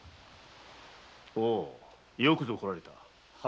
よくぞ来られた。